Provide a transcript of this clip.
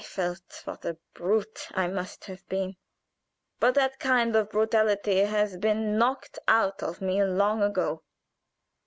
I felt what a brute I must have been, but that kind of brutality has been knocked out of me long ago.